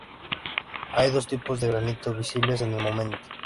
Hay dos tipos de granito visibles en el monte.